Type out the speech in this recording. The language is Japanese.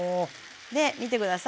で見て下さい。